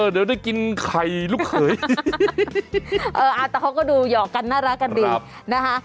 เดี๋ยวได้กินไข่ลูกเขยแต่เขาก็ดูหยอกกันน่ารักกันดีนะคะ